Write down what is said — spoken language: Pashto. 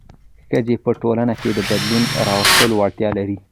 ښځې په ټولنه کې د بدلون راوستلو وړتیا لري.